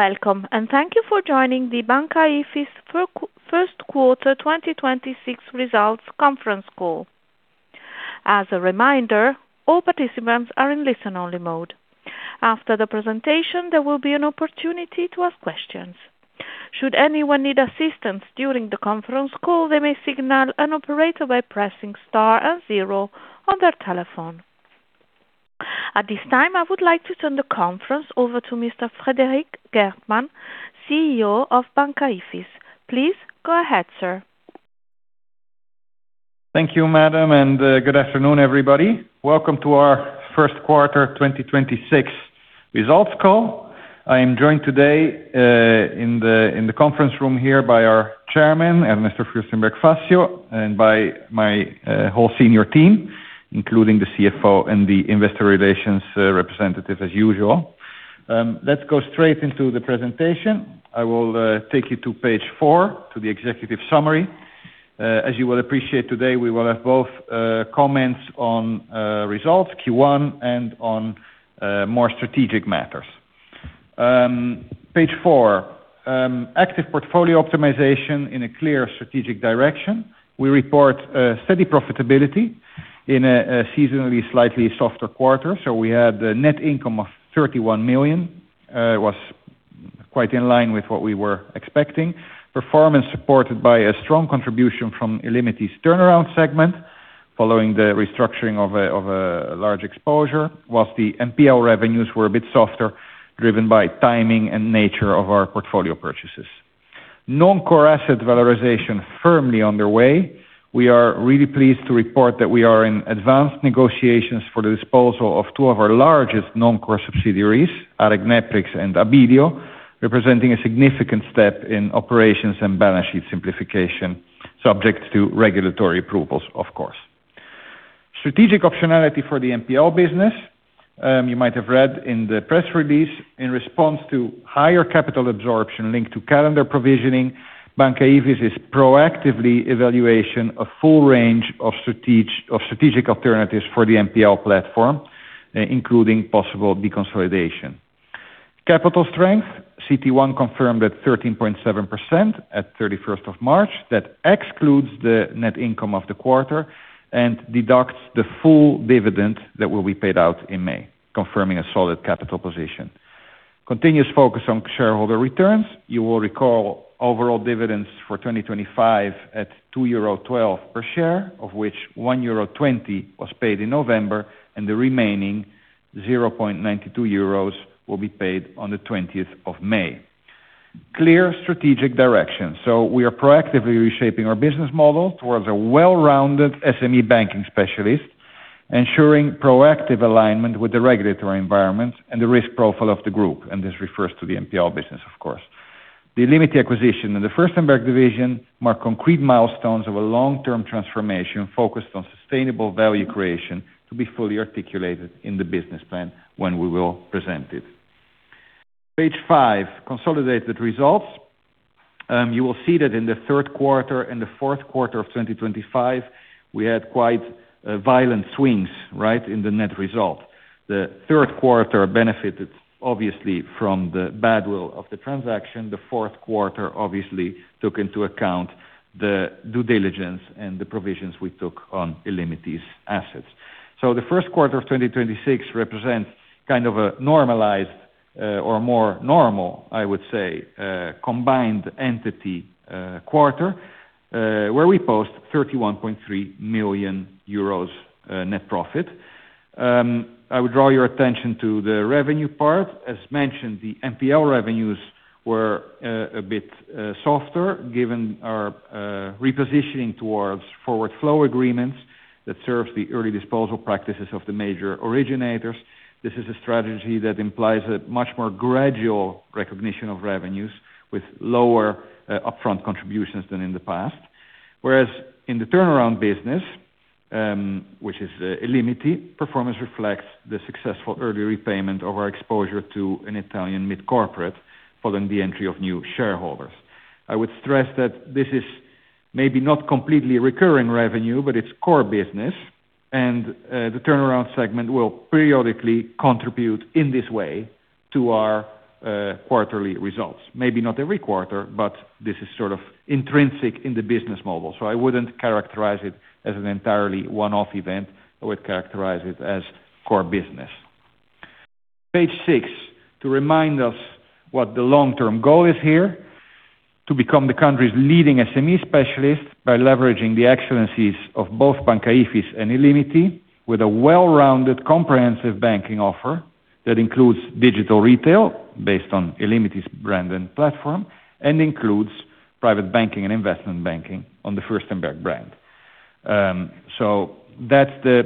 Welcome, and thank you for joining the Banca Ifis first quarter 2026 results conference call. As a reminder, all participants are in listen-only mode. After the presentation, there will be an opportunity to ask questions. Should anyone need assistance during the conference call, they may signal an operator by pressing star and zero on their telephone. At this time, I would like to turn the conference over to Mr. Frederik Geertman, CEO of Banca Ifis. Please go ahead, sir. Thank you, madam, and good afternoon, everybody. Welcome to our first quarter 2026 results call. I am joined today in the conference room here by our Chairman, Ernesto Fürstenberg Fassio, and by my whole senior team, including the CFO and the investor relations representative as usual. Let's go straight into the presentation. I will take you to page 4 to the executive summary. As you will appreciate today, we will have both comments on results Q1 and on more strategic matters. Page 4, active portfolio optimization in a clear strategic direction. We report steady profitability in a seasonally slightly softer quarter. We had a net income of 31 million. It was quite in line with what we were expecting. Performance supported by a strong contribution from illimity's turnaround segment following the restructuring of a large exposure, whilst the NPL revenues were a bit softer, driven by timing and nature of our portfolio purchases. Non-core asset valorization firmly underway. We are really pleased to report that we are in advanced negotiations for the disposal of two of our largest non-core subsidiaries, AREC neprix and Abilio, representing a significant step in operations and balance sheet simplification, subject to regulatory approvals, of course. Strategic optionality for the NPL business. You might have read in the press release, in response to higher capital absorption linked to calendar provisioning, Banca Ifis is proactively evaluating a full range of strategic alternatives for the NPL platform, including possible deconsolidation. Capital strength. CET1 confirmed at 13.7% at 31st of March. That excludes the net income of the quarter and deducts the full dividend that will be paid out in May, confirming a solid capital position. Continuous focus on shareholder returns. You will recall overall dividends for 2025 at 2.12 euro per share, of which 1.20 euro was paid in November, and the remaining 0.92 euros will be paid on the 20th of May. Clear strategic direction. We are proactively reshaping our business model towards a well-rounded SME banking specialist, ensuring proactive alignment with the regulatory environment and the risk profile of the group, and this refers to the NPL business, of course. The illimity Bank acquisition and the Fürstenberg division mark concrete milestones of a long-term transformation focused on sustainable value creation to be fully articulated in the business plan when we will present it. Page 5, consolidated results. You will see that in the third quarter and the fourth quarter of 2025, we had quite violent swings in the net result. The third quarter benefited obviously from the badwill of the transaction. The fourth quarter obviously took into account the due diligence and the provisions we took on illimity's assets. The first quarter of 2026 represents kind of a normalized, or more normal, I would say, combined entity quarter, where we post 31.3 million euros net profit. I would draw your attention to the revenue part. As mentioned, the NPL revenues were a bit softer given our repositioning towards forward flow agreements that serves the early disposal practices of the major originators. This is a strategy that implies a much more gradual recognition of revenues with lower upfront contributions than in the past. Whereas in the turnaround business, which is illimity, performance reflects the successful early repayment of our exposure to an Italian mid corporate following the entry of new shareholders. I would stress that this is maybe not completely recurring revenue, but it's core business and the turnaround segment will periodically contribute in this way to our quarterly results. Maybe not every quarter, but this is sort of intrinsic in the business model. I wouldn't characterize it as an entirely one-off event. I would characterize it as core business. Page 6, to remind us what the long-term goal is here, to become the country's leading SME specialist by leveraging the excellencies of both Banca Ifis and illimity with a well-rounded comprehensive banking offer that includes digital retail based on illimity's brand and platform and includes private banking and investment banking on the Fürstenberg brand. That's the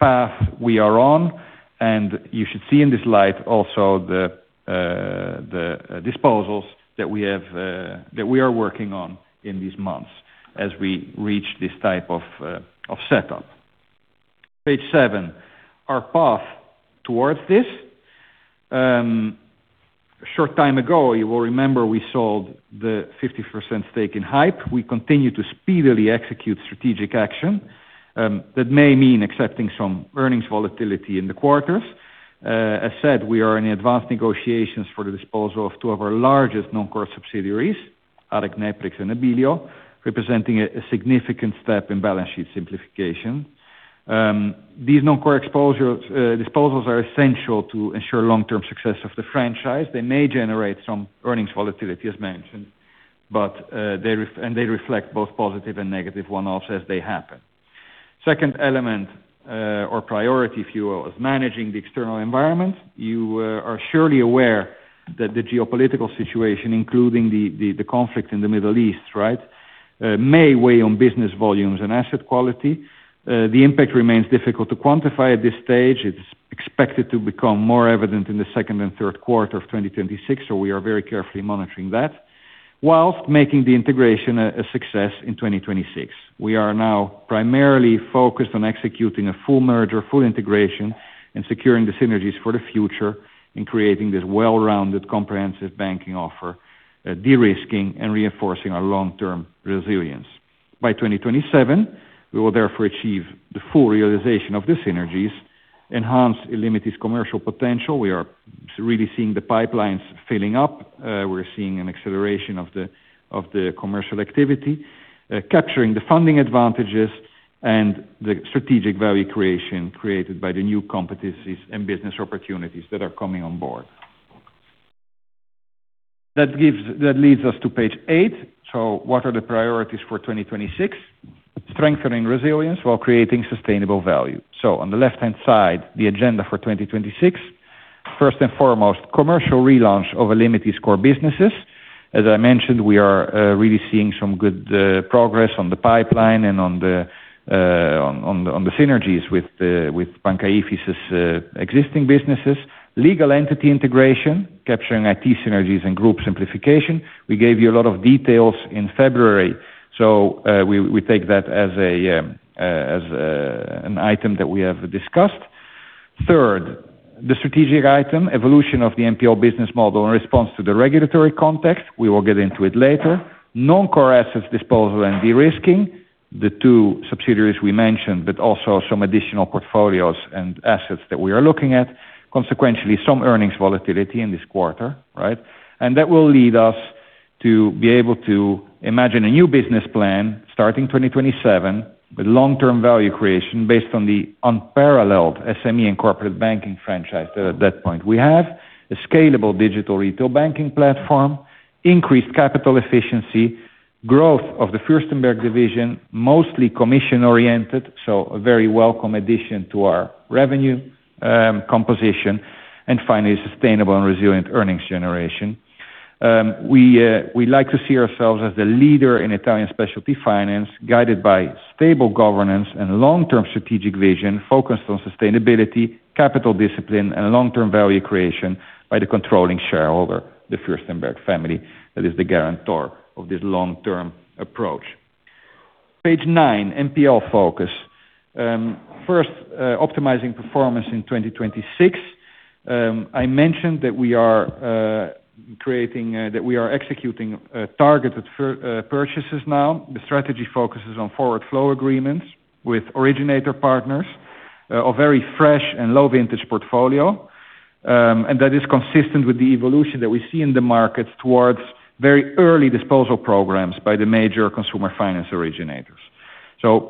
path we are on, and you should see in this light also the disposals that we have that we are working on in these months as we reach this type of setup. Page 7, our path towards this. A short time ago, you will remember we sold the 50% stake in Hype. We continue to speedily execute strategic action. That may mean accepting some earnings volatility in the quarters. As said, we are in advanced negotiations for the disposal of two of our largest non-core subsidiaries, AREC neprix and Abilio, representing a significant step in balance sheet simplification. These non-core disposals are essential to ensure long-term success of the franchise. They may generate some earnings volatility, as mentioned, they reflect both positive and negative one-offs as they happen. Second element, or priority, if you will, is managing the external environment. You are surely aware that the geopolitical situation, including the conflict in the Middle East, right, may weigh on business volumes and asset quality. The impact remains difficult to quantify at this stage. It's expected to become more evident in the second and third quarter of 2026. We are very carefully monitoring that whilst making the integration a success in 2026. We are now primarily focused on executing a full merger, full integration, and securing the synergies for the future in creating this well-rounded, comprehensive banking offer, de-risking and reinforcing our long-term resilience. By 2027, we will therefore achieve the full realization of the synergies, enhance illimity's commercial potential. We are really seeing the pipelines filling up. We're seeing an acceleration of the commercial activity, capturing the funding advantages and the strategic value creation created by the new competencies and business opportunities that are coming on board. That leads us to page 8. What are the priorities for 2026? Strengthening resilience while creating sustainable value. On the left-hand side, the agenda for 2026. First and foremost, commercial relaunch of illimity's core businesses. As I mentioned, we are really seeing some good progress on the pipeline and on the synergies with Banca Ifis's existing businesses. Legal entity integration, capturing IT synergies and group simplification. We gave you a lot of details in February. We take that as an item that we have discussed. Third, the strategic item, evolution of the NPL business model in response to the regulatory context. We will get into it later. Non-core assets disposal and de-risking. The two subsidiaries we mentioned, but also some additional portfolios and assets that we are looking at. Consequentially, some earnings volatility in this quarter. That will lead us to be able to imagine a new business plan starting 2027 with long-term value creation based on the unparalleled SME and corporate banking franchise. We have a scalable digital retail banking platform, increased capital efficiency, growth of the Fürstenberg division, mostly commission-oriented, so a very welcome addition to our revenue composition, and finally, sustainable and resilient earnings generation. We like to see ourselves as the leader in Italian specialty finance, guided by stable governance and long-term strategic vision focused on sustainability, capital discipline, and long-term value creation by the controlling shareholder, the Fürstenberg family, that is the guarantor of this long-term approach. Page 9, NPL focus. First, optimizing performance in 2026. I mentioned that we are executing targeted purchases now. The strategy focuses on forward flow agreements with originator partners, a very fresh and low vintage portfolio, that is consistent with the evolution that we see in the markets towards very early disposal programs by the major consumer finance originators.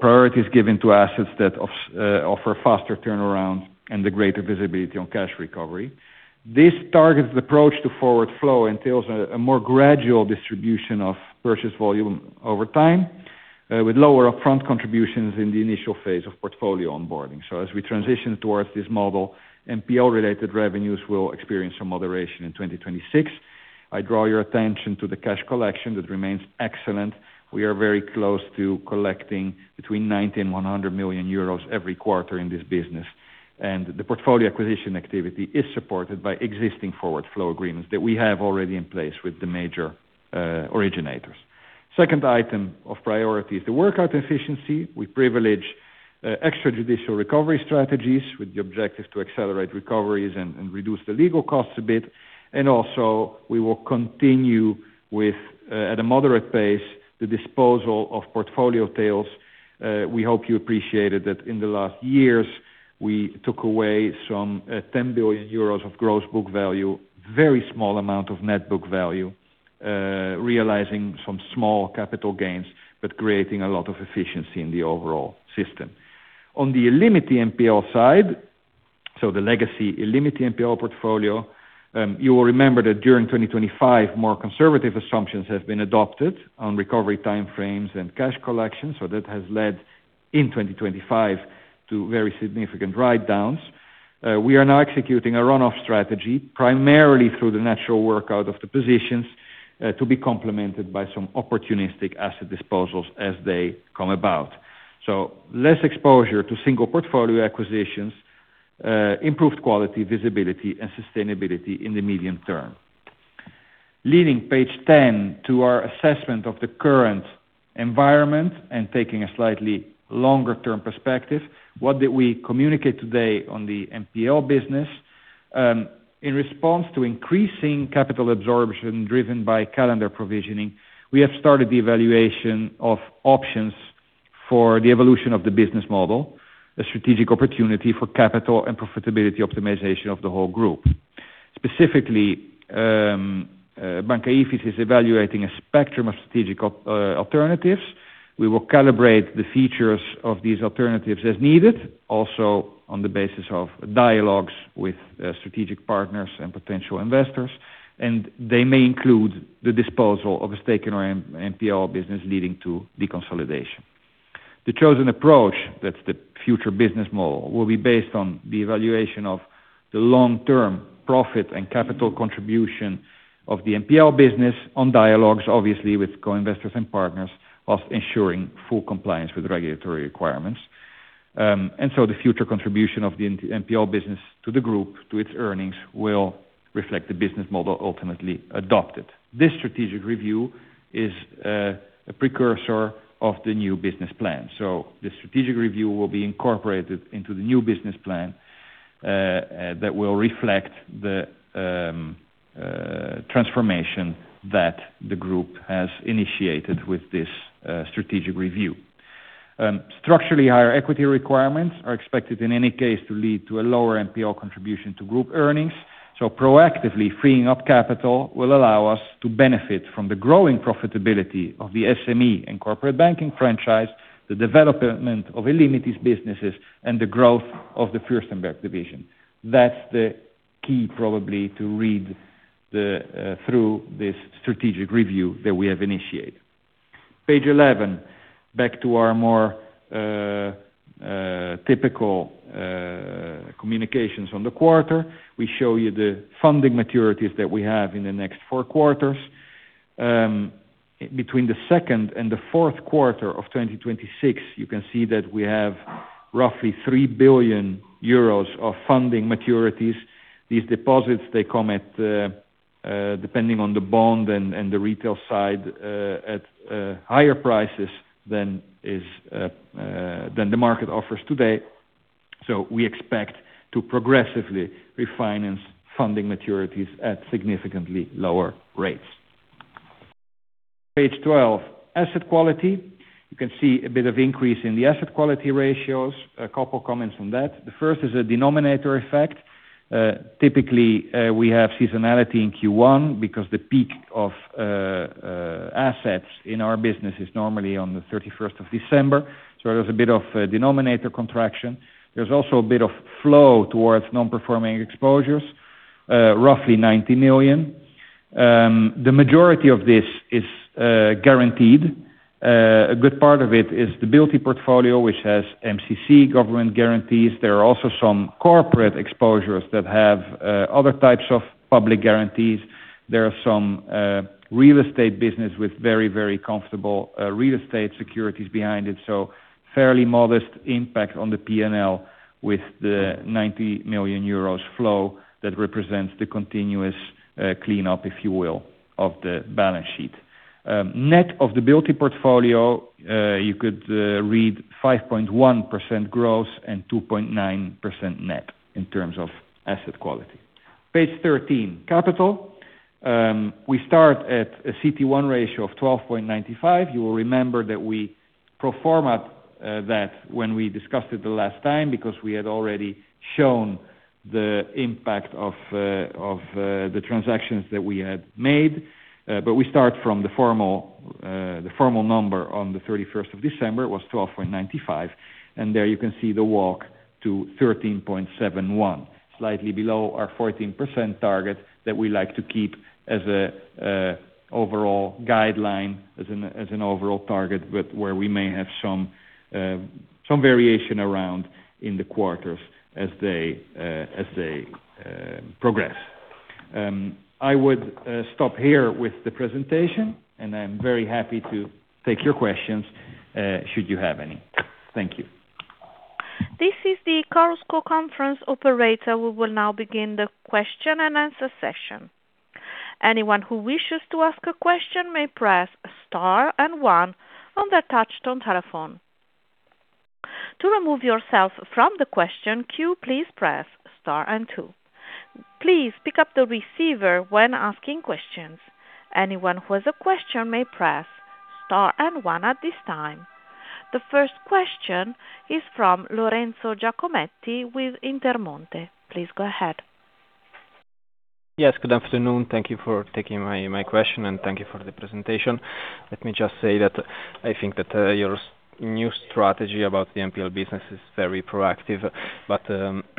Priority is given to assets that offer faster turnaround and the greater visibility on cash recovery. This targeted approach to forward flow entails a more gradual distribution of purchase volume over time, with lower upfront contributions in the initial phase of portfolio onboarding. As we transition towards this model, NPL-related revenues will experience some moderation in 2026. I draw your attention to the cash collection that remains excellent. We are very close to collecting between 90 million and 100 million euros every quarter in this business. The portfolio acquisition activity is supported by existing forward flow agreements that we have already in place with the major originators. Second item of priority is the workout efficiency. We privilege extrajudicial recovery strategies with the objective to accelerate recoveries and reduce the legal costs a bit. Also, we will continue with at a moderate pace, the disposal of portfolio tails. We hope you appreciated that in the last years, we took away some 10 billion euros of gross book value, very small amount of net book value, realizing some small capital gains, but creating a lot of efficiency in the overall system. On the illimity NPL side, so the legacy illimity NPL portfolio, you will remember that during 2025, more conservative assumptions have been adopted on recovery time frames and cash collection. That has led, in 2025, to very significant write-downs. We are now executing a run-off strategy, primarily through the natural workout of the positions, to be complemented by some opportunistic asset disposals as they come about. Less exposure to single portfolio acquisitions, improved quality, visibility, and sustainability in the medium term. Leading page 10 to our assessment of the current environment and taking a slightly longer term perspective, what did we communicate today on the NPL business? In response to increasing capital absorption driven by calendar provisioning, we have started the evaluation of options for the evolution of the business model, a strategic opportunity for capital and profitability optimization of the whole group. Specifically, Banca Ifis is evaluating a spectrum of strategic alternatives. We will calibrate the features of these alternatives as needed, also on the basis of dialogues with strategic partners and potential investors, and they may include the disposal of a stake in our NPL business leading to deconsolidation. The chosen approach, that's the future business model, will be based on the evaluation of the long-term profit and capital contribution of the NPL business on dialogues, obviously with co-investors and partners, of ensuring full compliance with regulatory requirements. The future contribution of the NPL business to the group, to its earnings, will reflect the business model ultimately adopted. This strategic review is a precursor of the new business plan. The strategic review will be incorporated into the new business plan that will reflect the transformation that the group has initiated with this strategic review. Structurally higher equity requirements are expected, in any case, to lead to a lower NPL contribution to group earnings. Proactively freeing up capital will allow us to benefit from the growing profitability of the SME and corporate banking franchise, the development of illimity's businesses, and the growth of the Fürstenberg division. That's the key probably to read through this strategic review that we have initiated. Page 11, back to our more typical communications on the quarter. We show you the funding maturities that we have in the next four quarters. Between the second and the fourth quarter of 2026, you can see that we have roughly 3 billion euros of funding maturities. These deposits, they come at, depending on the bond and the retail side, at higher prices than is than the market offers today. We expect to progressively refinance funding maturities at significantly lower rates. Page 12, asset quality. You can see a bit of increase in the asset quality ratios. A couple comments on that. The first is a denominator effect. Typically, we have seasonality in Q1 because the peak of assets in our business is normally on the 31st of December, so there's a bit of a denominator contraction. There's also a bit of flow towards non-performing exposures, roughly 90 million. The majority of this is guaranteed. A good part of it is the b-ilty portfolio, which has MCC government guarantees. There are also some corporate exposures that have other types of public guarantees. There are some real estate business with very, very comfortable real estate securities behind it, so fairly modest impact on the P&L with the 90 million euros flow that represents the continuous cleanup, if you will, of the balance sheet. Net of the b-iltyportfolio, you could read 5.1% gross and 2.9% net in terms of asset quality. Page 13, capital. We start at a CET1 ratio of 12.95. You will remember that we pro forma that when we discussed it the last time because we had already shown the impact of the transactions that we had made. We start from the formal number on the 31st of December was 12.95, and there you can see the walk to 13.71, slightly below our 14% target that we like to keep as an overall guideline, as an overall target, but where we may have some variation around in the quarters as they progress. I would stop here with the presentation, and I'm very happy to take your questions, should you have any. Thank you. We will now begin the question and answer session. Anyone who wishes to ask a question may press star and one on the touchpad button. To remove yourself from the question queue please press star and two. Please pick up the receiver when asking questions. Anyone with a question may press star and one at this time. The first question is from Lorenzo Giacometti with Intermonte. Please go ahead. Yes, good afternoon. Thank you for taking my question, thank you for the presentation. Let me just say that I think that your new strategy about the NPL business is very proactive.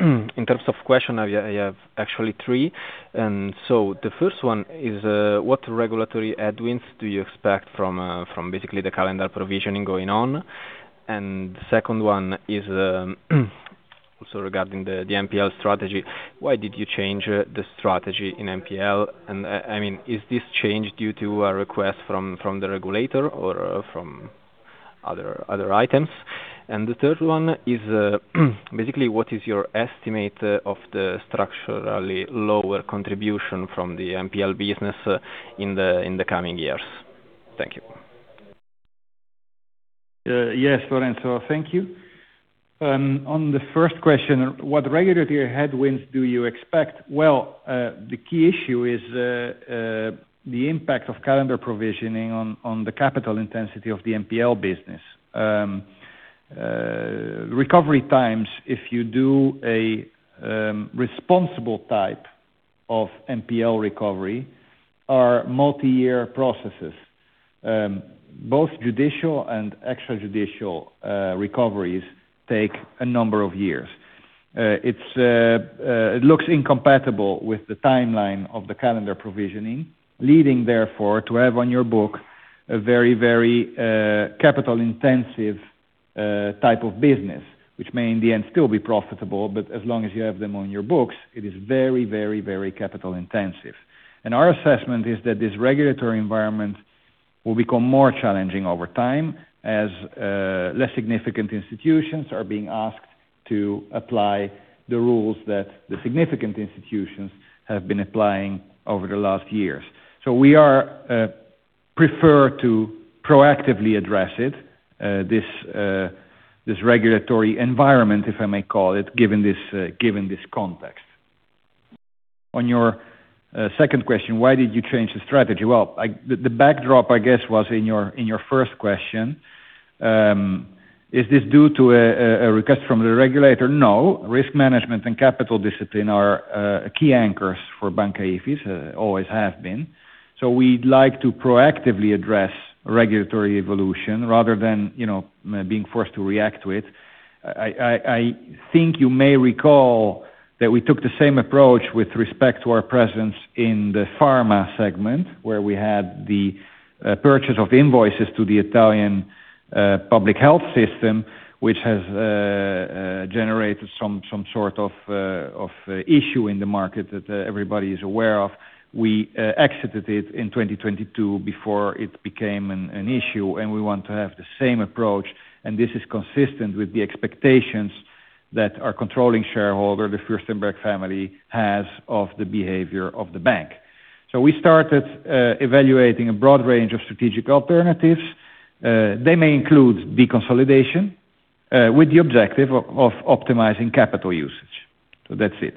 In terms of question, I have actually three. The first one is what regulatory headwinds do you expect from basically the calendar provisioning going on? The second one is regarding the NPL strategy, why did you change the strategy in NPL? I mean, is this change due to a request from the regulator or from other items? The third one is basically, what is your estimate of the structurally lower contribution from the NPL business in the coming years? Thank you. Yes, Lorenzo, thank you. On the first question, what regulatory headwinds do you expect? Well, the key issue is the impact of calendar provisioning on the capital intensity of the NPL business. Recovery times, if you do a responsible type of NPL recovery are multi-year processes. Both judicial and extrajudicial recoveries take a number of years. It looks incompatible with the timeline of the calendar provisioning, leading therefore to have on your book a very, very capital intensive type of business, which may in the end still be profitable, but as long as you have them on your books, it is very capital intensive. Our assessment is that this regulatory environment will become more challenging over time as less significant institutions are being asked to apply the rules that the significant institutions have been applying over the last years. We prefer to proactively address it, this regulatory environment, if I may call it, given this given this context. On your second question, why did you change the strategy? The backdrop, I guess, was in your, in your first question. Is this due to a request from the regulator? No. Risk management and capital discipline are key anchors for Banca Ifis, always have been. We'd like to proactively address regulatory evolution rather than, you know, being forced to react to it. I think you may recall that we took the same approach with respect to our presence in the pharma segment, where we had the purchase of invoices to the Italian public health system, which has generated some sort of issue in the market that everybody is aware of. We exited it in 2022 before it became an issue. We want to have the same approach. This is consistent with the expectations that our controlling shareholder, the Fürstenberg family, has of the behavior of the bank. We started evaluating a broad range of strategic alternatives. They may include deconsolidation, with the objective of optimizing capital usage. That's it.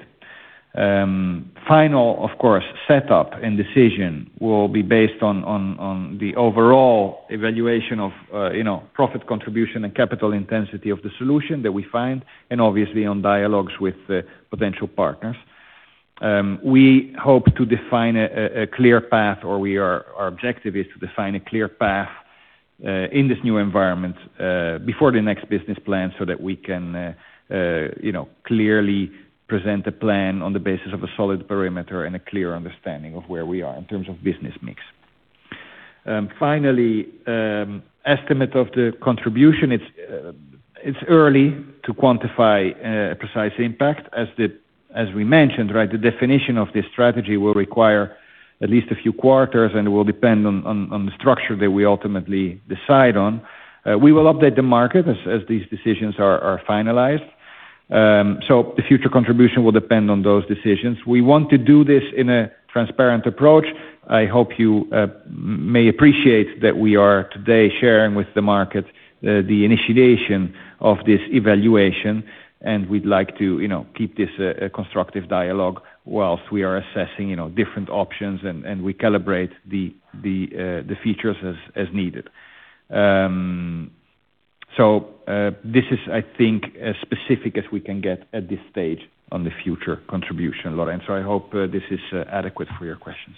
Final, of course, setup and decision will be based on the overall evaluation of, you know, profit contribution and capital intensity of the solution that we find, and obviously on dialogues with potential partners. We hope to define a clear path, or our objective is to define a clear path in this new environment before the next business plan, so that we can, you know, clearly present a plan on the basis of a solid perimeter and a clear understanding of where we are in terms of business mix. Finally, estimate of the contribution. It's early to quantify precise impact. As we mentioned, right, the definition of this strategy will require at least a few quarters. It will depend on the structure that we ultimately decide on. We will update the market as these decisions are finalized. The future contribution will depend on those decisions. We want to do this in a transparent approach. I hope you may appreciate that we are today sharing with the market the initiation of this evaluation. We'd like to, you know, keep this a constructive dialogue whilst we are assessing, you know, different options and recalibrate the features as needed. This is, I think, as specific as we can get at this stage on the future contribution, Lorenzo. I hope this is adequate for your questions.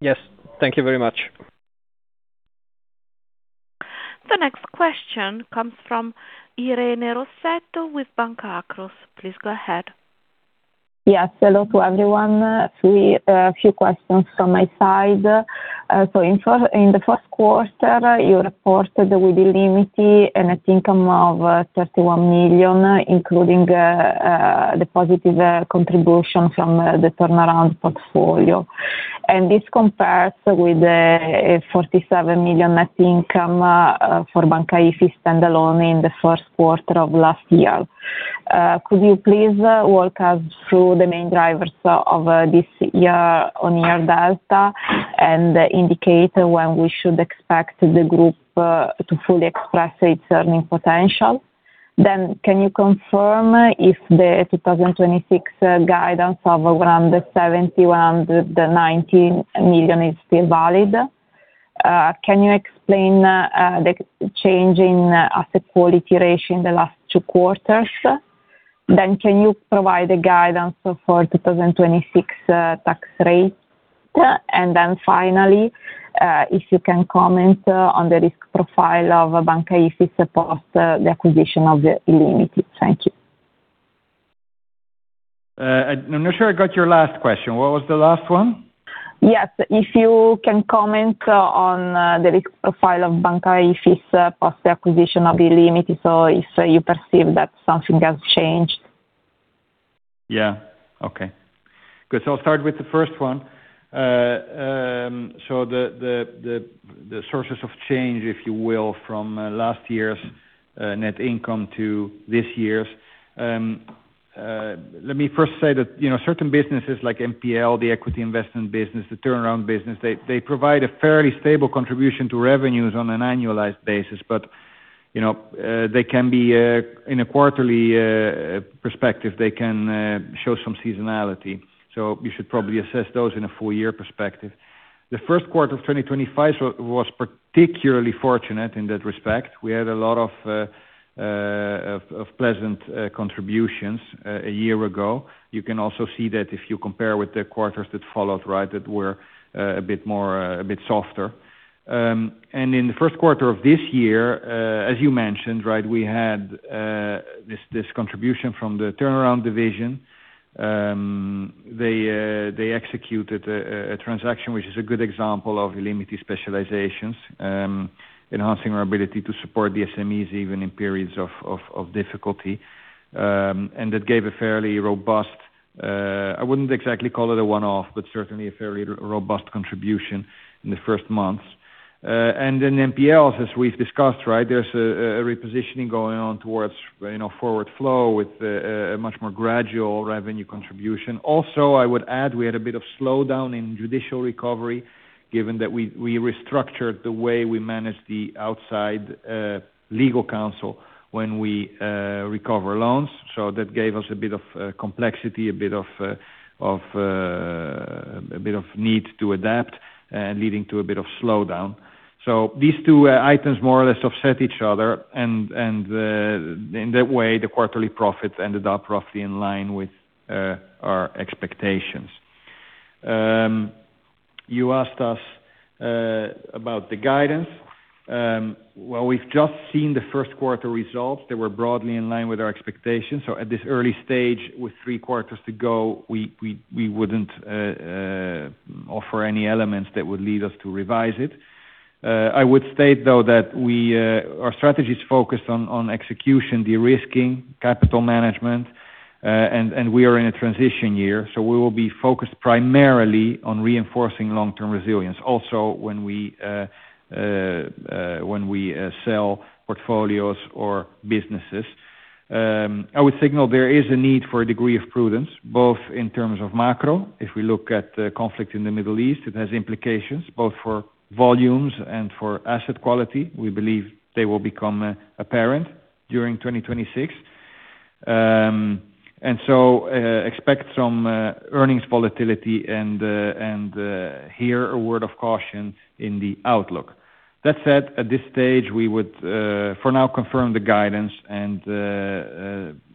Yes. Thank you very much. The next question comes from Irene Rossetto with Banca Akros. Please go ahead. Yes. Hello to everyone. Three few questions from my side. In the first quarter, you reported with illimity a net income of 31 million, including the positive contribution from the turnaround portfolio. This compares with 47 million net income for Banca Ifis standalone in the first quarter of last year. Could you please walk us through the main drivers of this year-on-year delta, and indicate when we should expect the group to fully express its earning potential? Can you confirm if the 2026 guidance of 170-190 million is still valid? Can you explain the change in asset quality ratio in the last two quarters? Can you provide a guidance for 2026 tax rate? Finally, if you can comment on the risk profile of Banca Ifis post the acquisition of illimity. Thank you. I'm not sure I got your last question. What was the last one? Yes. If you can comment on the risk profile of Banca Ifis post the acquisition of illimity. If you perceive that something has changed. Yeah. Okay. Good. I'll start with the first one. The sources of change, if you will, from last year's net income to this year's, let me first say that, you know, certain businesses like NPL, the equity investment business, the turnaround business, they provide a fairly stable contribution to revenues on an annualized basis. You know, they can be in a quarterly perspective, they can show some seasonality. You should probably assess those in a full year perspective. The first quarter of 2025 was particularly fortunate in that respect. We had a lot of pleasant contributions a year ago. You can also see that if you compare with the quarters that followed, right, that were a bit more a bit softer. In the first quarter of this year, as you mentioned, right, we had this contribution from the turnaround division. They executed a transaction which is a good example of illimity specializations, enhancing our ability to support the SMEs even in periods of difficulty. That gave a fairly robust, I wouldn't exactly call it a one-off, but certainly a very robust contribution in the first months. Then NPLs, as we've discussed, right, there's a repositioning going on towards, you know, forward flow with a much more gradual revenue contribution. Also, I would add, we had a bit of slowdown in judicial recovery, given that we restructured the way we manage the outside legal counsel when we recover loans. That gave us a bit of complexity, a bit of need to adapt, leading to a bit of slowdown. These two items more or less offset each other and in that way, the quarterly profits ended up roughly in line with our expectations. You asked us about the guidance. Well, we've just seen the first quarter results. They were broadly in line with our expectations. At this early stage, with 3Q to go, we wouldn't offer any elements that would lead us to revise it. I would state, though, that we, our strategy is focused on execution, de-risking, capital management, and we are in a transition year, we will be focused primarily on reinforcing long-term resilience. Also, when we sell portfolios or businesses. I would signal there is a need for a degree of prudence, both in terms of macro. If we look at the conflict in the Middle East, it has implications both for volumes and for asset quality. We believe they will become apparent during 2026. Expect some earnings volatility and hear a word of caution in the outlook. That said, at this stage, we would for now confirm the guidance and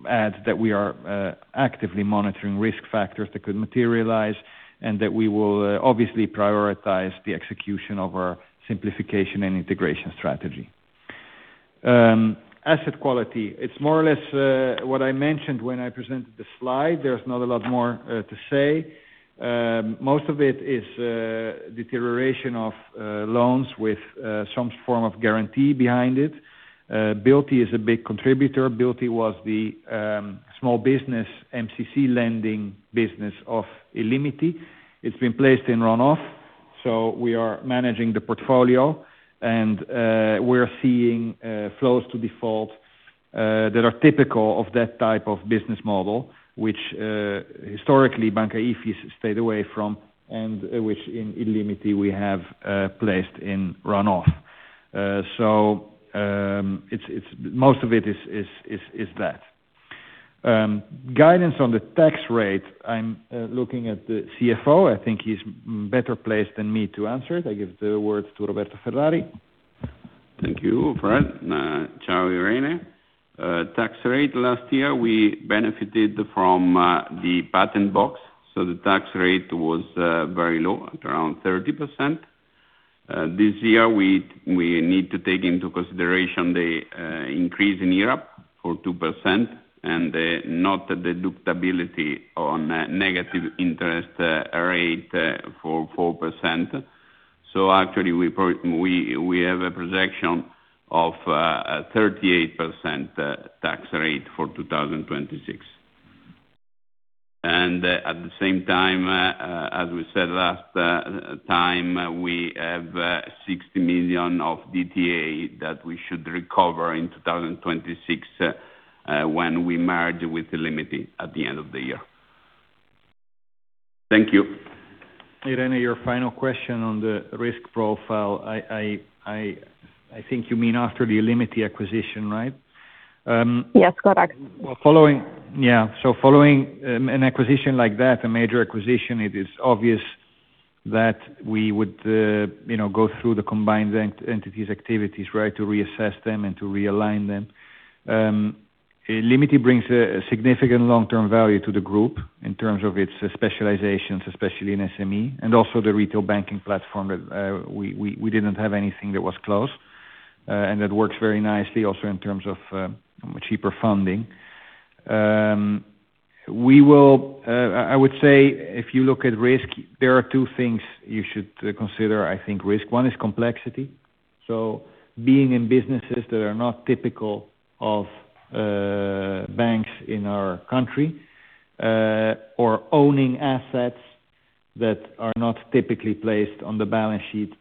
add that we are actively monitoring risk factors that could materialize and that we will obviously prioritize the execution of our simplification and integration strategy. Asset quality. It's more or less what I mentioned when I presented the slide. There's not a lot more to say. Most of it is deterioration of loans with some form of guarantee behind it. B-ilty is a big contributor. B-ilty was the small business MCC lending business of illimity. It's been placed in run-off, so we are managing the portfolio and we're seeing flows to default that are typical of that type of business model, which historically Banca Ifis stayed away from and which in illimity we have placed in run-off. Most of it is that. Guidance on the tax rate. I'm looking at the CFO. I think he's better placed than me to answer it. I give the words to Roberto Ferrari. Thank you, Fred. Ciao, Irene. Tax rate last year, we benefited from the patent box, so the tax rate was very low, at around 30%. This year, we need to take into consideration the increase in Euribor for 2% and not the deductibility on negative interest rate for 4%. Actually, we have a projection of a 38% tax rate for 2026. At the same time, as we said last time, we have 60 million of DTA that we should recover in 2026, when we merge with illimity at the end of the year. Thank you. Irene, your final question on the risk profile, I think you mean after the illimity acquisition, right? Yes, correct. Following an acquisition like that, a major acquisition, it is obvious that we would go through the combined entities' activities, right, to reassess them and to realign them. Illimity brings a significant long-term value to the group in terms of its specializations, especially in SME and also the retail banking platform that we didn't have anything that was close. That works very nicely also in terms of cheaper funding. I would say if you look at risk, there are two things you should consider, I think risk. One is complexity. Being in businesses that are not typical of banks in our country, or owning assets that are not typically placed on the balance sheet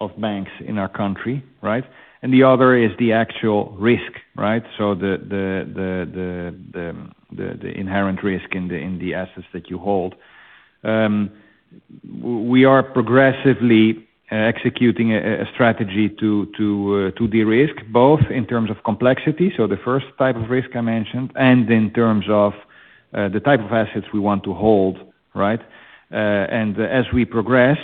of banks in our country, right? The other is the actual risk, right? The inherent risk in the assets that you hold. We are progressively executing a strategy to de-risk both in terms of complexity, so the first type of risk I mentioned, and in terms of the type of assets we want to hold, right? As we progress,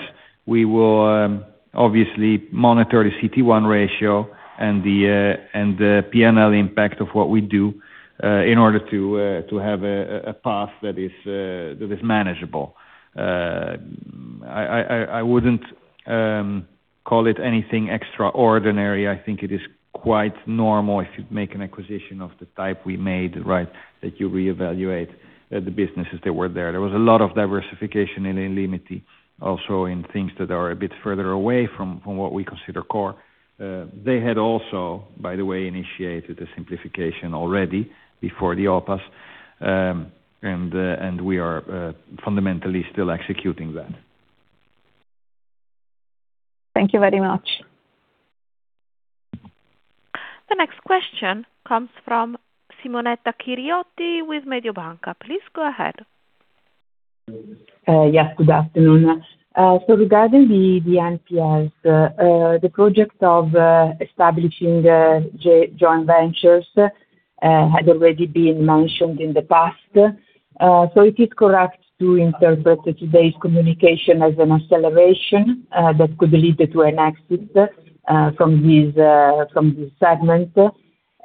we will obviously monitor the CET1 ratio and the P&L impact of what we do in order to have a path that is manageable. I wouldn't call it anything extraordinary. I think it is quite normal if you make an acquisition of the type we made, right, that you reevaluate the businesses that were there. There was a lot of diversification in illimity also in things that are a bit further away from what we consider core. They had also, by the way, initiated a simplification already before the OPAS, and we are fundamentally still executing that. Thank you very much. The next question comes from Simonetta Chiriotti with Mediobanca. Please go ahead. Good afternoon. Regarding the NPLs, the project of establishing joint ventures had already been mentioned in the past. Is it correct to interpret today's communication as an acceleration that could lead to an exit from this segment,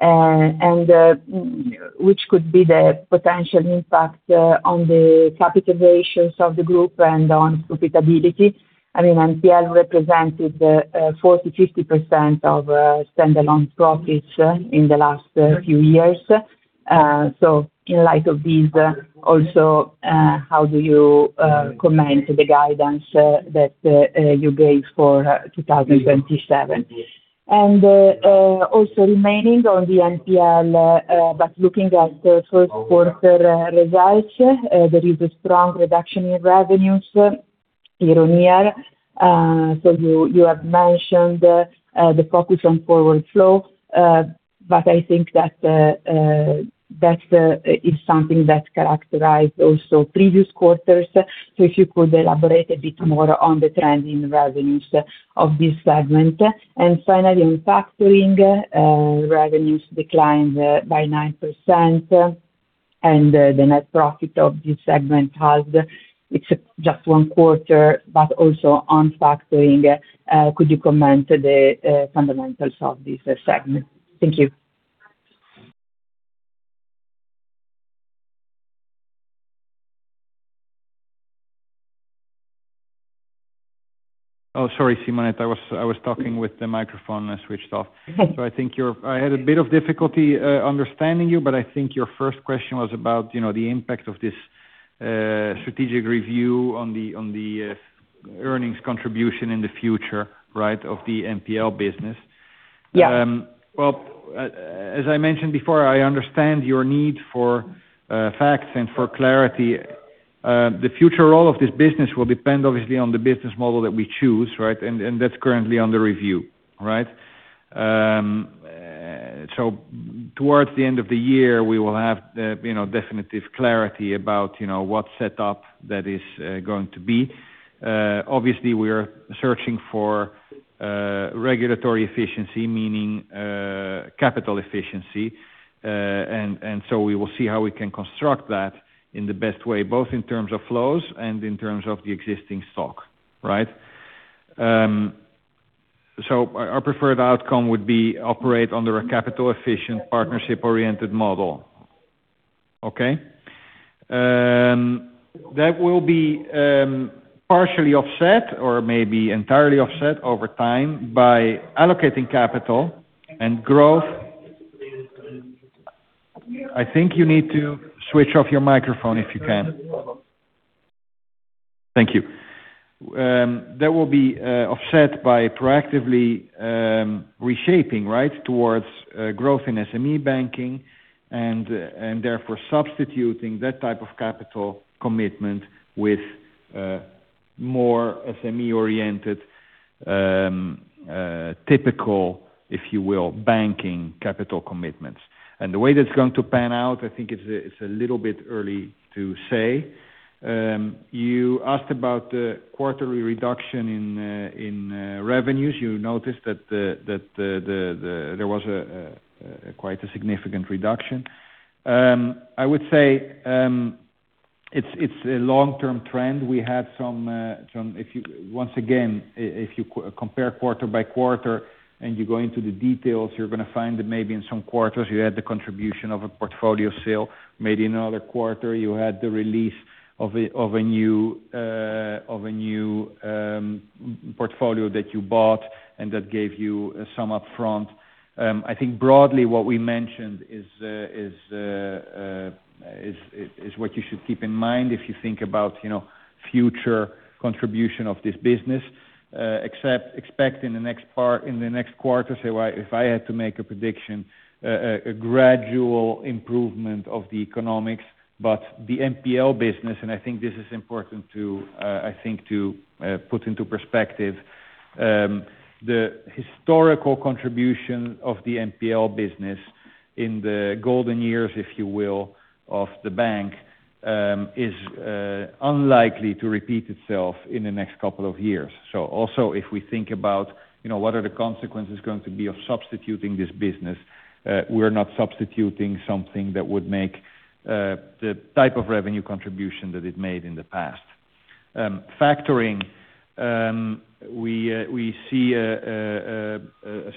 and which could be the potential impact on the capital ratios of the group and on profitability? I mean, NPL represented 40%-50% of standalone profits in the last few years. In light of this, also, how do you comment the guidance that you gave for 2027. Also remaining on the NPL, but looking at the first quarter results, there is a strong reduction in revenues year-on-year. You have mentioned the focus on forward flow, but I think that is something that characterized also previous quarters. If you could elaborate a bit more on the trend in revenues of this segment. Finally, in factoring, revenues declined by 9%, and the net profit of this segment has, it's just 1Q, but also on factoring, could you comment the fundamentals of this segment? Thank you. Oh, sorry, Simonetta. I was talking with the microphone switched off. I think I had a bit of difficulty understanding you, but I think your first question was about, you know, the impact of this strategic review on the earnings contribution in the future, right, of the NPL business? Yeah. Well, as I mentioned before, I understand your need for facts and for clarity. The future role of this business will depend obviously on the business model that we choose, right? That's currently under review, right? Towards the end of the year, we will have the, you know, definitive clarity about, you know, what setup that is going to be. Obviously we are searching for regulatory efficiency, meaning capital efficiency. And we will see how we can construct that in the best way, both in terms of flows and in terms of the existing stock, right? Our preferred outcome would be operate under a capital efficient partnership oriented model. Okay? That will be partially offset or maybe entirely offset over time by allocating capital and growth. I think you need to switch off your microphone if you can. Thank you. That will be offset by proactively reshaping, right, towards growth in SME banking and therefore substituting that type of capital commitment with more SME oriented, typical, if you will, banking capital commitments. The way that's going to pan out, I think it's a little bit early to say. You asked about the quarterly reduction in revenues. You noticed that there was a quite a significant reduction. I would say it's a long-term trend. We had some, once again, if you compare quarter by quarter and you go into the details, you're gonna find that maybe in some quarters you had the contribution of a portfolio sale, maybe in another quarter you had the release of a new portfolio that you bought and that gave you some upfront. I think broadly what we mentioned is what you should keep in mind if you think about, you know, future contribution of this business. Expect in the next part, in the next quarter, say why, if I had to make a prediction, a gradual improvement of the economics. The NPL business, and I think this is important to put into perspective, the historical contribution of the NPL business in the golden years, if you will, of the bank, is unlikely to repeat itself in the next couple of years. Also if we think about, you know, what are the consequences going to be of substituting this business, we're not substituting something that would make the type of revenue contribution that it made in the past. Factoring, we see a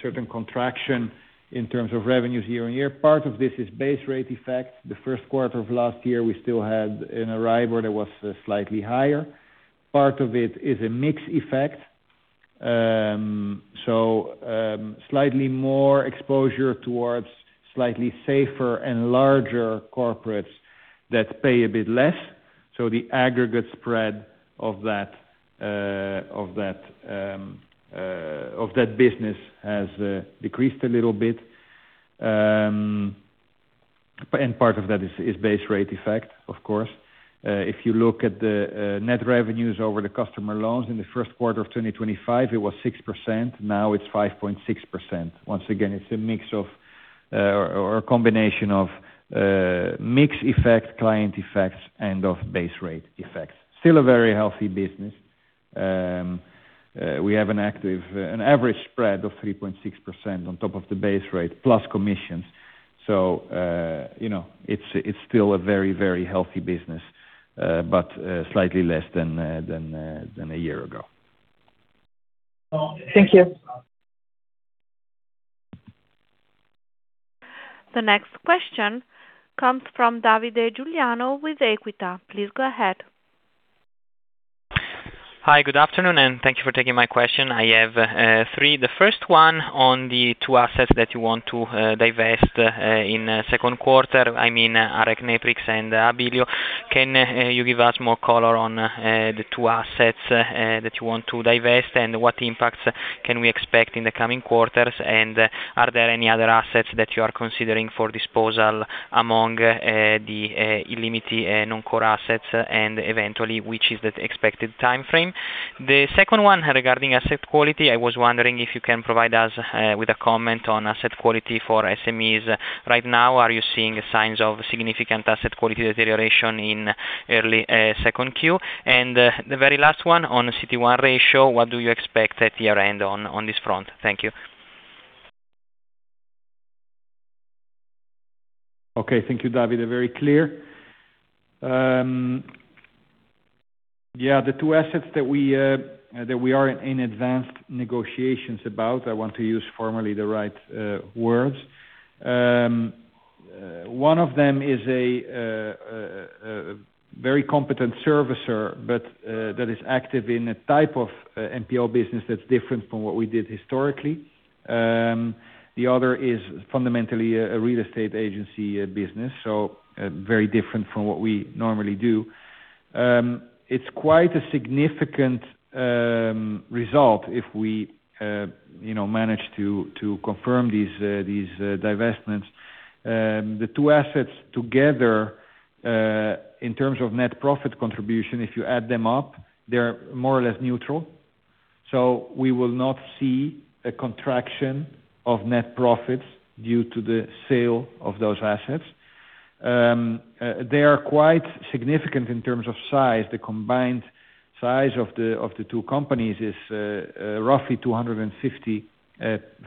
certain contraction in terms of revenues year-over-year. Part of this is base rate effect. The first quarter of last year, we still had a Euribor where there was slightly higher. Part of it is a mix effect. Slightly more exposure towards slightly safer and larger corporates that pay a bit less. The aggregate spread of that business has decreased a little bit. Part of that is base rate effect, of course. If you look at the net revenues over the customer loans in the first quarter of 2025, it was 6%, now it's 5.6%. Once again, it's a mix of or a combination of mix effect, client effects, and of base rate effects. Still a very healthy business. We have an average spread of 3.6% on top of the base rate plus commissions. You know, it's still a very, very healthy business, but slightly less than a year ago. Thank you. The next question comes from Davide Giuliano with Equita. Please go ahead. Hi, good afternoon, and thank you for taking my question. I have three. The first one on the two assets that you want to divest in second quarter, I mean, AREC neprix and Abilio. Can you give us more color on the two assets that you want to divest, and what impacts can we expect in the coming quarters? Are there any other assets that you are considering for disposal among the illimity non-core assets and eventually, which is the expected timeframe? The second one regarding asset quality. I was wondering if you can provide us with a comment on asset quality for SMEs. Right now, are you seeing signs of significant asset quality deterioration in early second Q? The very last one on the CET1 ratio, what do you expect at year-end on this front? Thank you. Okay. Thank you, Davide. Very clear. Yeah. The two assets that we are in advanced negotiations about, I want to use formally the right words. One of them is a very competent servicer, but that is active in a type of NPL business that's different from what we did historically. The other is fundamentally a real estate agency business, very different from what we normally do. It's quite a significant result if we, you know, manage to confirm these divestments. The two assets together, in terms of net profit contribution, if you add them up, they're more or less neutral. We will not see a contraction of net profits due to the sale of those assets. They are quite significant in terms of size. The combined size of the two companies is roughly 250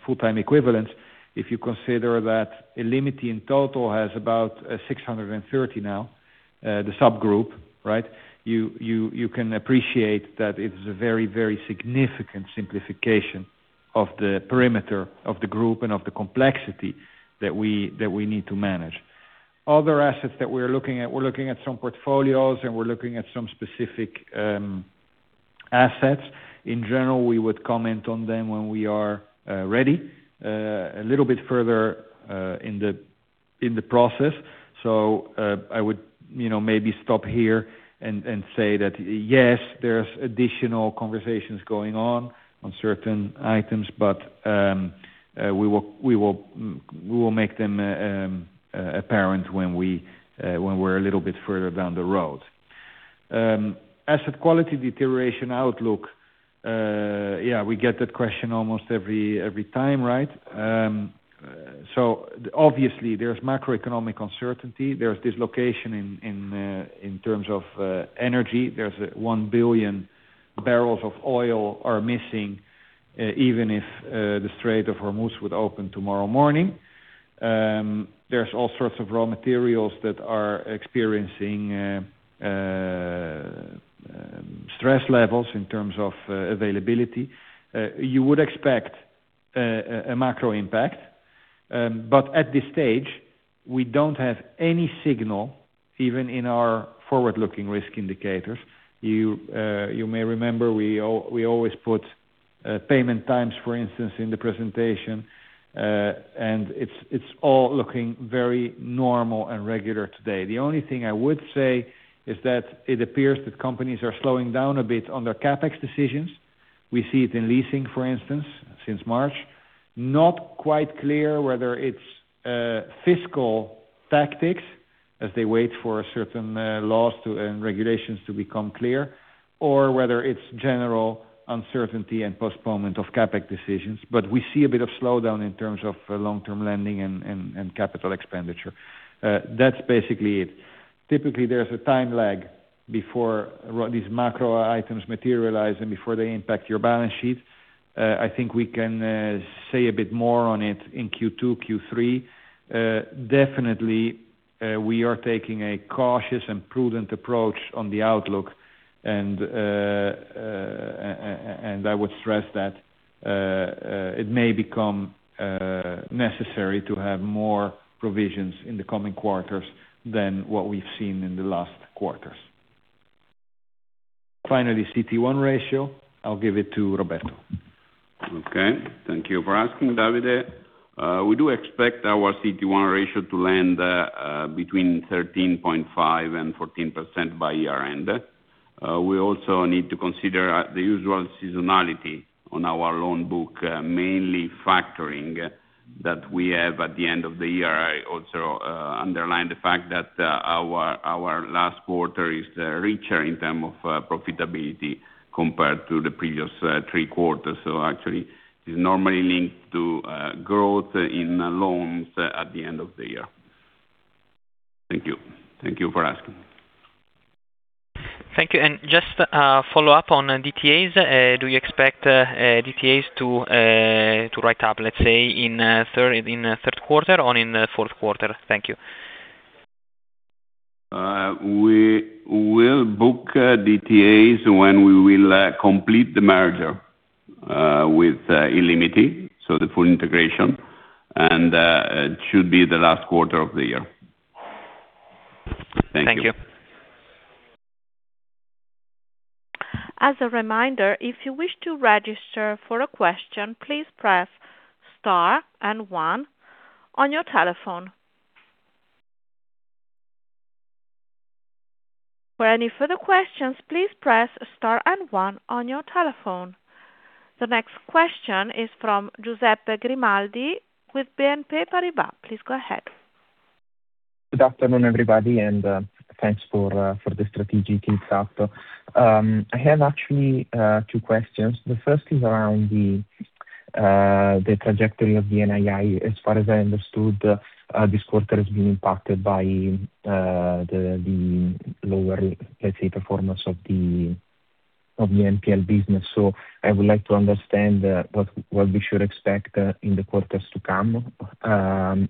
full-time equivalents. If you consider that illimity in total has about 630 now, the subgroup, right? You can appreciate that it's a very, very significant simplification of the perimeter of the group and of the complexity that we need to manage. Other assets that we're looking at, we're looking at some portfolios, and we're looking at some specific assets. In general, we would comment on them when we are ready a little bit further in the process. I would, you know, maybe stop here and say that, yes, there's additional conversations going on certain items, but we will make them apparent when we're a little bit further down the road. Asset quality deterioration outlook. Yeah, we get that question almost every time, right. Obviously there's macroeconomic uncertainty. There's dislocation in terms of energy. There's one billion barrels of oil are missing, even if the Strait of Hormuz would open tomorrow morning. There's all sorts of raw materials that are experiencing stress levels in terms of availability. You would expect a macro impact. At this stage, we don't have any signal, even in our forward-looking risk indicators. You may remember we always put payment times, for instance, in the presentation, and it's all looking very normal and regular today. The only thing I would say is that it appears that companies are slowing down a bit on their CapEx decisions. We see it in leasing, for instance, since March. Not quite clear whether it's fiscal tactics as they wait for certain laws and regulations to become clear, or whether it's general uncertainty and postponement of CapEx decisions. We see a bit of slowdown in terms of long-term lending and capital expenditure. That's basically it. Typically, there's a time lag before these macro items materialize and before they impact your balance sheets. I think we can say a bit more on it in Q2, Q3. We are taking a cautious and prudent approach on the outlook. I would stress that it may become necessary to have more provisions in the coming quarters than what we've seen in the last quarters. Finally, CET1 ratio, I'll give it to Roberto. Okay. Thank you for asking, Davide. We do expect our CET1 ratio to land between 13.5 and 14% by year-end. We also need to consider the usual seasonality on our loan book, mainly factoring that we have at the end of the year. I also underline the fact that our last quarter is richer in term of profitability compared to the previous 3Q actually, it's normally linked to growth in loans at the end of the year. Thank you. Thank you for asking. Thank you. Just a follow-up on DTAs. Do you expect DTAs to write up, let's say, in third quarter or in fourth quarter? Thank you. We will book DTAs when we will complete the merger with illimity, so the full integration. It should be the last quarter of the year. Thank you. Thank you. As a reminder, if you wish to register for a question, please press star and one on your telephone. For any further questions, please press star and one on your telephone. The next question is from Giuseppe Grimaldi with BNP Paribas. Please go ahead. Good afternoon, everybody, thanks for the strategic kick off. I have actually two questions. The first is around the trajectory of the NII. As far as I understood, this quarter has been impacted by the lower, let's say, performance of the NPL business. I would like to understand what we should expect in the quarters to come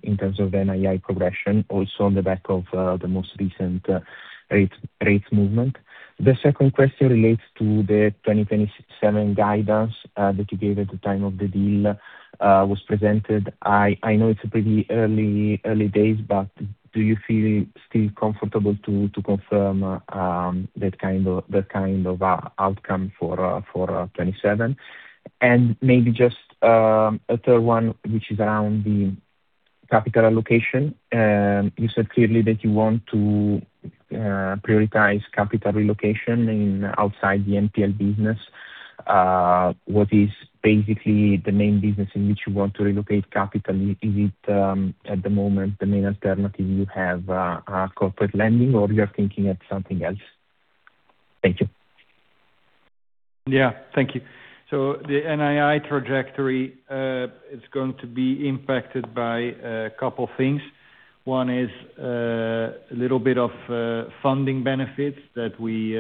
in terms of NII progression, also on the back of the most recent rate movement. The second question relates to the 2027 guidance that you gave at the time of the deal was presented. I know it's pretty early days, but do you feel still comfortable to confirm that kind of outcome for 2027? Maybe just a third one, which is around the capital allocation. You said clearly that you want to prioritize capital relocation in outside the NPL business. What is basically the main business in which you want to relocate capital? Is it, at the moment, the main alternative you have, corporate lending, or you're thinking of something else? Thank you. Yeah. Thank you. The NII trajectory is going to be impacted by a couple of things. One is a little bit of funding benefits that we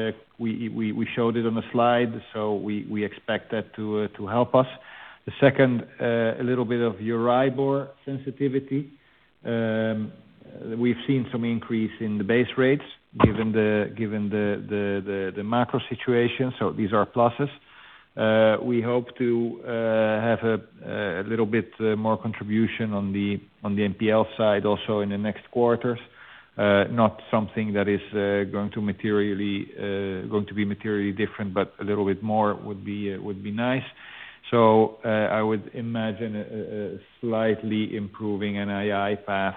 showed it on the slide. We expect that to help us. The second, a little bit of Euribor sensitivity. We've seen some increase in the base rates given the macro situation. These are pluses. We hope to have a little bit more contribution on the NPL side also in the next quarters. Not something that is going to be materially different, but a little bit more would be nice. I would imagine a slightly improving NII path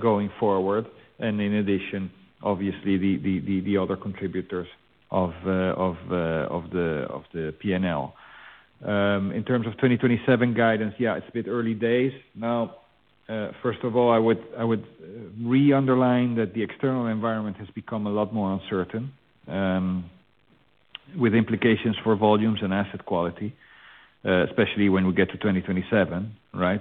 going forward. In addition, obviously, the other contributors of the P&L. In terms of 2027 guidance, yeah, it's a bit early days. Now, first of all, I would re-underline that the external environment has become a lot more uncertain, with implications for volumes and asset quality, especially when we get to 2027, right?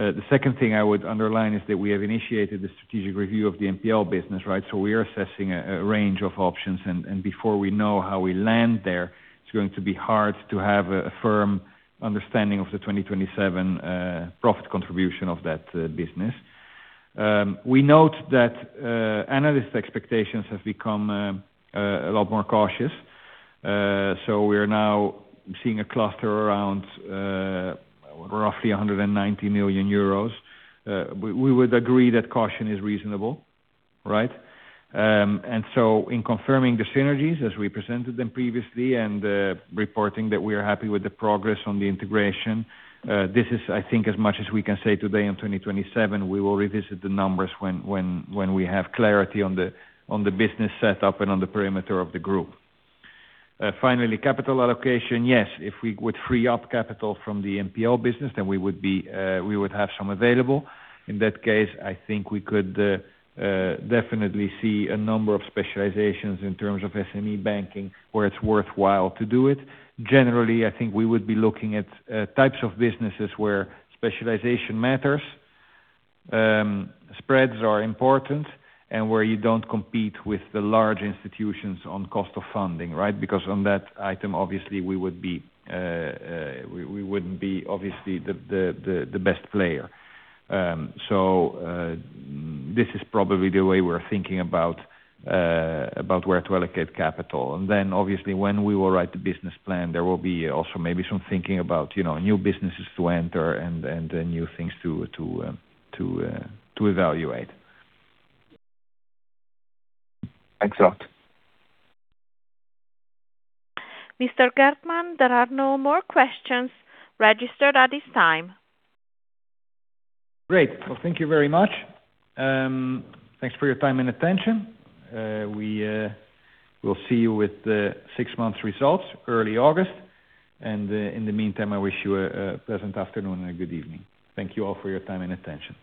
The second thing I would underline is that we have initiated the strategic review of the NPL business, right? We are assessing a range of options, and before we know how we land there, it's going to be hard to have a firm understanding of the 2027 profit contribution of that business. We note that analyst expectations have become a lot more cautious. We are now seeing a cluster around roughly 190 million euros. We would agree that caution is reasonable, right? In confirming the synergies as we presented them previously and reporting that we are happy with the progress on the integration, this is, I think, as much as we can say today in 2027. We will revisit the numbers when we have clarity on the business set up and on the perimeter of the group. Finally, capital allocation. Yes, if we would free up capital from the NPL business, then we would have some available. In that case, I think we could definitely see a number of specializations in terms of SME banking, where it's worthwhile to do it. Generally, I think we would be looking at types of businesses where specialization matters, spreads are important, and where you don't compete with the large institutions on cost of funding, right? Because on that item, obviously, we wouldn't be obviously the, the best player. This is probably the way we're thinking about where to allocate capital. Obviously, when we will write the business plan, there will be also maybe some thinking about, you know, new businesses to enter and new things to evaluate. Thanks a lot. Mr. Frederik Geertman, there are no more questions registered at this time. Great. Well, thank you very much. Thanks for your time and attention. We will see you with the six months results early August. In the meantime, I wish you a pleasant afternoon and a good evening. Thank you all for your time and attention.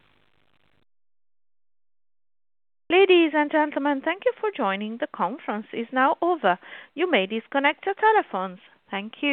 Ladies and gentlemen, thank you for joining. The conference is now over. You may disconnect your telephones. Thank you.